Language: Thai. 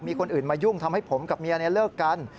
มีคนอื่นมายุ่งทำให้ผมกับเมียเลิกกัน